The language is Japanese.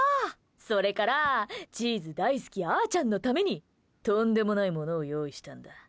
それからチーズ大好きあちゃんのためにとんでもないものを用意したんだ。